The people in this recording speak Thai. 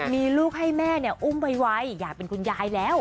มีลูกให้แม่อุ้มไวอยากเป็นคุณยายแล้ว